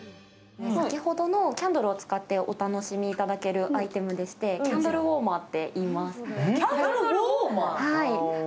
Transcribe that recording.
先ほどのキャンドルを使ってお楽しみいただけるアイテムで、キャンドルウォーマーっていいます。